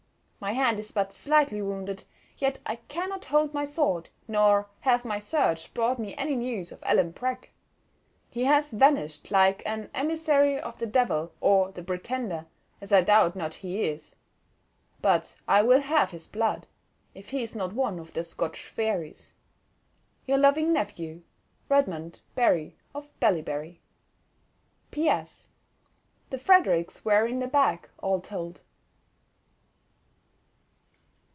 My hand is but slightly wounded, yet I cannot hold my sword, nor hath my search brought me any news of Alan Breck. He has vanished like an emissary of the Devil or the Pretender, as I doubt not he is. But I will have his blood, if he is not one of their Scotch fairies.—Your loving Nephew, REDMOND BARRY, OF BALLYBARRY. P.S.—The Fredericks were in the bag, all told.